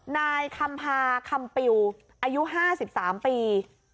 นายคำพาคำปิวอายุ๕๓ปี